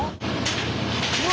うわ！